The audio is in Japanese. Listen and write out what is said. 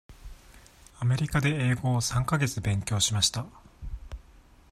アメリカで英語を三か月勉強しました。